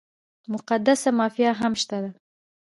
مقدسه مافیا هم شته ده.